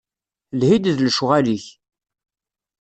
Lhi-d d lecɣal-ik.